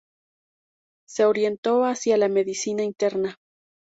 Se orientó hacia la medicina interna.